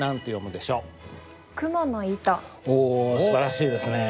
おすばらしいですね。